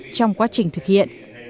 trong quá trình thực hiện